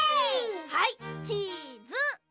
はいチーズ。